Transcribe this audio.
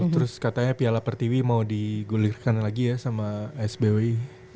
terus katanya piala pertiwi mau digulirkan lagi ya sama sbwi